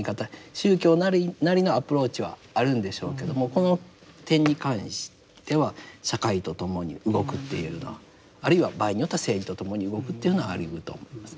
宗教なりのアプローチはあるんでしょうけどもこの点に関しては社会と共に動くっていうのはあるいは場合によっては政治と共に動くっていうのはありうると思いますね。